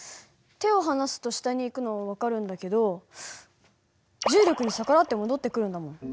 手を離すと下に行くのは分かるんだけど重力に逆らって戻ってくるんだもん。